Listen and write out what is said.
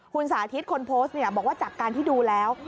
คุณสาธิตคนโพสต์บอกว่าจากการที่ดูแล้ว